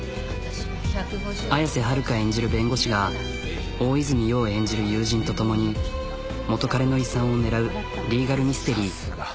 綾瀬はるか演じる弁護士が大泉洋演じる友人と共に元彼の遺産を狙うリーガルミステリー。